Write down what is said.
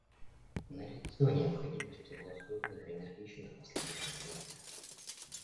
Налицо необходимость в согласованных и энергичных последующих действиях.